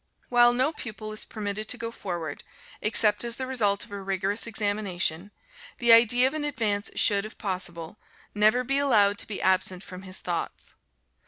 While no pupil is permitted to go forward, except as the result of a rigorous examination, the idea of an advance should, if possible, never be allowed to be absent from his thoughts.